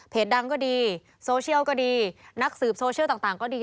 ดังก็ดีโซเชียลก็ดีนักสืบโซเชียลต่างก็ดี